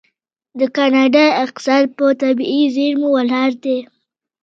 د کاناډا اقتصاد په طبیعي زیرمو ولاړ دی.